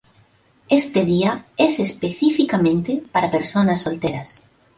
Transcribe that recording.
Este día es específicamente para personas solteras.